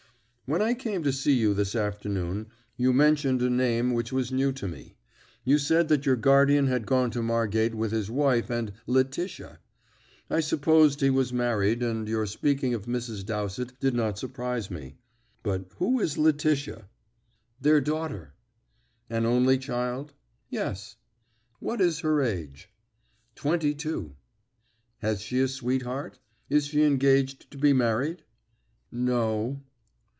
"When I came to see you this afternoon you mentioned a name which was new to me. You said that your guardian had gone to Margate with his wife and 'Letitia.' I supposed he was married, and your speaking of Mrs. Dowsett did not surprise me. But who is Letitia?" "Their daughter." "An only child?" "Yes." "What is her age?" "Twenty two." "Has she a sweetheart? Is she engaged to be married?" "No."